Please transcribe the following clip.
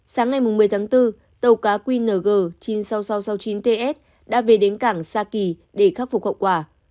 sáng ngày một mươi tháng bốn tàu cá qng chín mươi sáu nghìn sáu trăm sáu mươi chín ts đã về đến cảng sa kỳ để khắc phục hậu quả